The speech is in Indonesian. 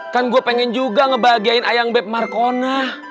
kan gua pengen juga ngebahagiain ayang beb markona